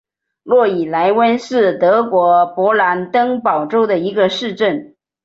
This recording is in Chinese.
诺伊莱温是德国勃兰登堡州的一个市镇。